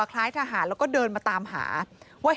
พี่วินรถจักรยานยนต์บอกแบบนี้นะคะ